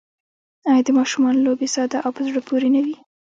آیا د ماشومانو لوبې ساده او په زړه پورې نه وي؟